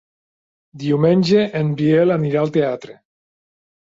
Diumenge en Biel anirà al teatre.